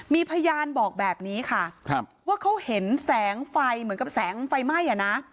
มีพยานบอกแบบนี้ค่ะว่าเขาเห็นแสงไฟเหมือนกับแสงไฟไหม้อะนะ